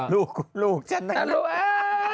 ลูกลูกฉันเนี้ย